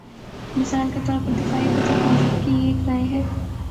مثال کے طور پر دفاعی بجٹ میں سب کی ایک رائے ہے۔